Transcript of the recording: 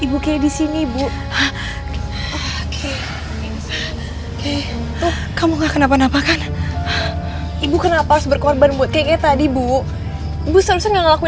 punggung ibu masih sakit gak